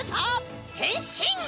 へんしん！